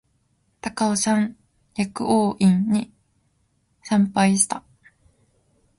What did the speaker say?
高尾山薬王院に参拝した